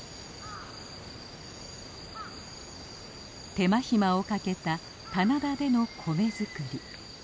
手間暇をかけた棚田での米作り。